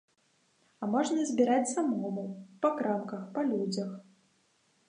А можна збіраць самому, па крамках, па людзях.